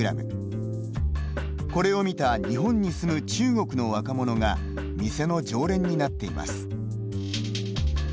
これを見た、日本に住む中国の若者が店の常連になっています。